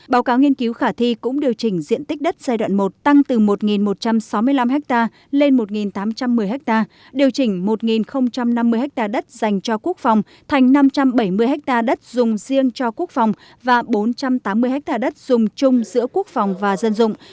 báo cáo nghiên cứu khả thi cũng điều chỉnh diện tích đất giai đoạn một tăng từ một một trăm sáu mươi năm ha lên một tám trăm một mươi ha điều chỉnh một năm mươi ha đất dành cho quốc phòng thành năm trăm bảy mươi ha đất dùng riêng cho quốc phòng và bốn trăm tám mươi ha đất dùng chung giữa quốc phòng và dân dụng